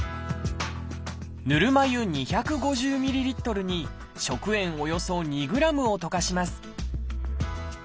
ぬるま湯２５０ｍＬに食塩およそ２ｇを溶かします